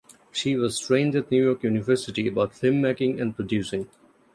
She was trained at New York University about filmmaking and producing.